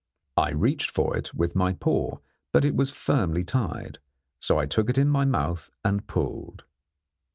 I reached for it with my paw, but it was firmly tied; so I took it in my mouth and pulled.